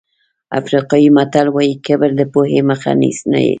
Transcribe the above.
افریقایي متل وایي کبر د پوهې مخه نیسي.